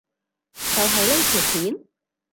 就係呢條片？